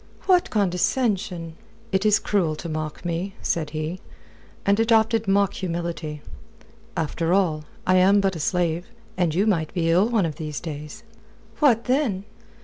"What condescension!" "It is cruel to mock me," said he, and adopted mock humility. "After all, I am but a slave. And you might be ill one of these days." "What, then?"